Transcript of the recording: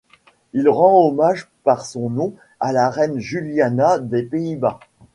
Il rend hommage par son nom à la reine Juliana des Pays-Bas.